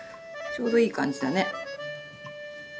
ちょうどいい感じだね。